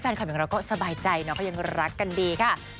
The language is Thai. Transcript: แฟนคลับอย่างเราก็สบายใจเนอะเขายังรักกันดีค่ะ